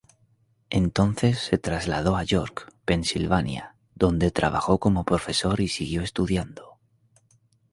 Entonces se trasladó a York, Pensilvania, donde trabajó como profesor y siguió estudiando.